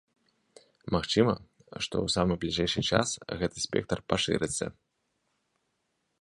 Магчыма, што ў самы бліжэйшы час гэты спектр пашырыцца.